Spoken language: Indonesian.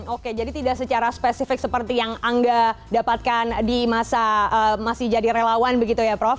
oke jadi tidak secara spesifik seperti yang angga dapatkan di masa masih jadi relawan begitu ya prof